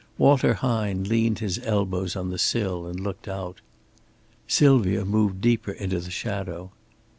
Walter Hine leaned his elbows on the sill and looked out. Sylvia moved deeper into the shadow.